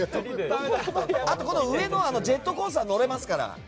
あと、上のジェットコースター乗れますから。